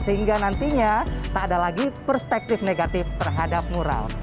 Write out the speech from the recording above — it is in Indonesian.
sehingga nantinya tak ada lagi perspektif negatif terhadap mural